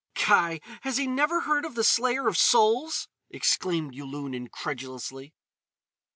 "Kai! Has he never heard of the Slayer of Souls?" exclaimed Yulun incredulously.